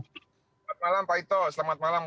selamat malam pak ito selamat malam